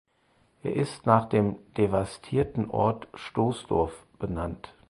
Er ist nach dem devastierten Ort Stoßdorf benannt.